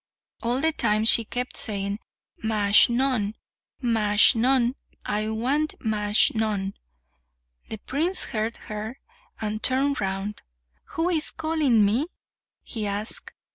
All the time she kept saying, "Majnun, Majnun; I want Majnun." The prince heard her, and turned round. "Who is calling me?" he asked.